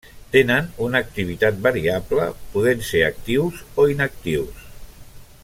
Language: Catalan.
Tenen una activitat variable, podent ser actius o inactius.